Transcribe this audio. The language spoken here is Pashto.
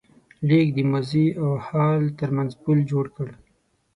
لیک د ماضي او حال تر منځ پُل جوړ کړ.